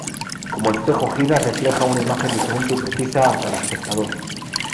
Como el espejo gira, refleja una imagen diferente y precisa a cada espectador.